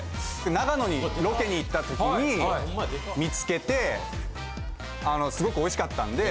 長野にロケに行った時に見つけてすごく美味しかったんで。